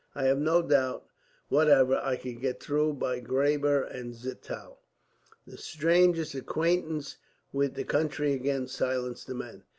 I have no doubt, whatever, I could get through by Graber and Zittau." The stranger's acquaintance with the country again silenced the men.